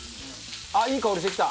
ああいい香りしてきた！